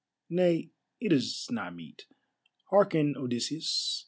Nay, it is not meet. Hearken, Odysseus.